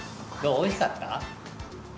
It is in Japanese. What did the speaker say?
おいしかった？